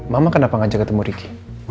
mama kenapa ngajak ketemu ricky